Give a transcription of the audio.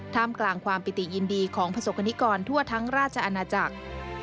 กลางความปิติยินดีของประสบกรณิกรทั่วทั้งราชอาณาจักร